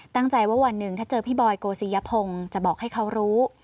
ตั้งใจว่าวันหนึ่งถ้าเจอพี่บอยโกศิยพงศ์จะบอกให้เขารู้